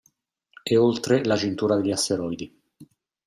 E oltre la cintura degli asteroidi.